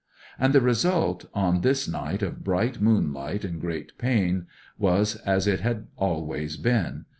And the result, on this night of bright moonlight and great pain, was as it had always been.